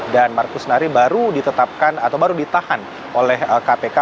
dan markus nari baru ditetapkan atau baru ditahan oleh kpk